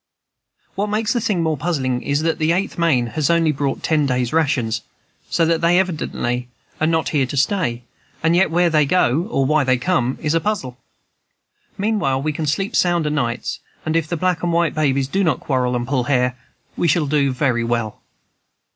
"What makes the thing more puzzling is, that the Eighth Maine has only brought ten days' rations, so that they evidently are not to stay here; and yet where they go, or why they come, is a puzzle. Meanwhile we can sleep sound o' nights; and if the black and white babies do not quarrel and pull hair, we shall do very well."